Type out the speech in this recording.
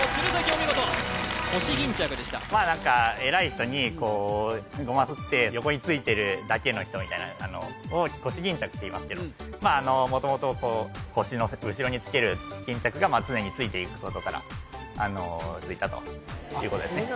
お見事腰巾着でした偉い人にごますって横についてるだけの人みたいなのを腰巾着っていいますけど元々腰の後ろにつける巾着が常についていくことからついたということですね